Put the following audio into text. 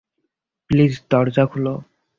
Please, দরজা খুলো।